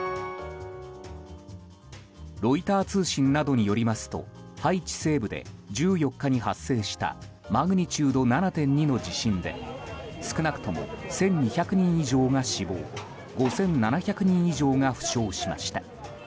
ロイター通信などによりますとハイチ西部で１４日に発生したマグニチュード７．２の地震で少なくとも１２００人以上が死亡５７００人以上が負傷しました。